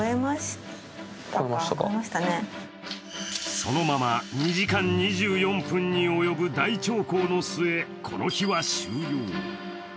そのまま２時間２４分に及ぶ大長考の末、この日は終了。